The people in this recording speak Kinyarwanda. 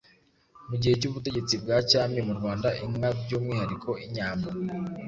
Mu gihe cy'ubutegetsi bwa cyami mu Rwanda inka byumwihariko inyambo